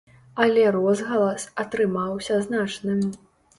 Але розгалас атрымаўся значным.